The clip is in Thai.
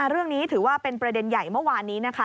เรื่องนี้ถือว่าเป็นประเด็นใหญ่เมื่อวานนี้นะคะ